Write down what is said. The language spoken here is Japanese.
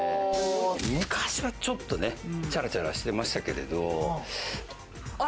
昔はちょっとね、チャラチャラしてましたけども。